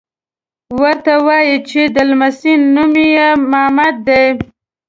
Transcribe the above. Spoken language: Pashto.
ورته ووایي چې د لمسي نوم یې محمد دی.